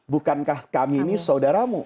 bukankah kami ini saudaramu